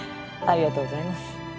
ありがとうございます。